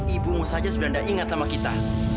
ibumu saja sudah tidak ingat sama kita